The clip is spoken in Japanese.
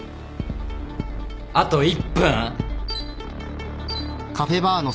あと１分。